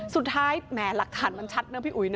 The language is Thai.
สุดท้ายแหมหลักฐานมันชัดเนอะพี่อุ๋ย